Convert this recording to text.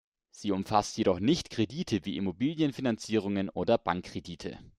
Sie umfasst jedoch nicht Kredite wie Immobilienfinanzierungen oder Bankkredite.